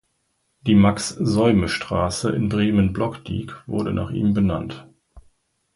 Die "Max-Säume-Straße" in Bremen-Blockdiek wurde nach ihm benannt.